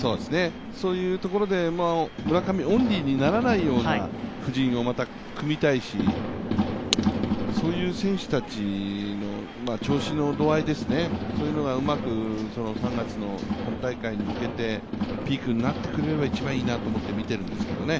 そういうところで村上オンリーにならない布陣をまた組みたいし、そういう選手たちの調子の度合いですねうまく３月の本大会に向けてピークになってくれれば一番いいなと思って見ているんですけどね。